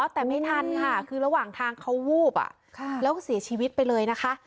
แต่ไม่ทันค่ะคือระหว่างทางเขาวูบแล้วก็เสียชีวิตไปเลยนะคะ